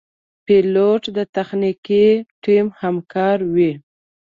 پیلوټ د تخنیکي ټیم همکار وي.